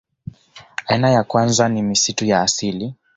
Aina ya kwanza ni misitu ya asili